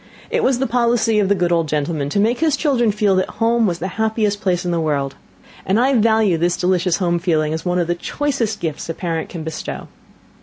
It was the policy of the good old gentleman to make his children feel that home was the happiest place in the world; and I value this delicious home feeling as one of the choicest gifts a parent can bestow."